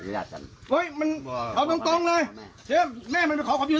จัดจัดโอ้ยมันเอาตรงตรงเลยเดี๋ยวแม่มันไปขอขอบคุณ